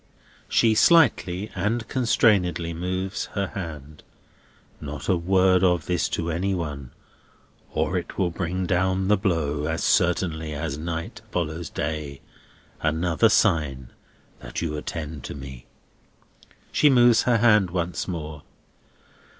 She slightly and constrainedly moves her hand. "Not a word of this to any one, or it will bring down the blow, as certainly as night follows day. Another sign that you attend to me." She moves her hand once more.